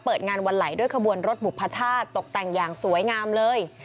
เปิดงานวันไหลด้วยขบวนรถบุพชาติตกแต่งอย่างสวยงามเลย